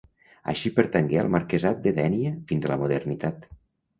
Així pertangué al Marquesat de Dénia fins a la modernitat.